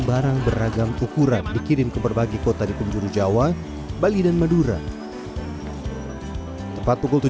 barang beragam ukuran dikirim ke berbagi kota di penjuru jawa bali dan madura tempat pukul tujuh